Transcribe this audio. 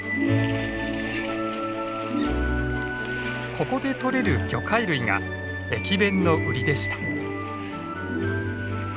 ここでとれる魚介類が駅弁のウリでした。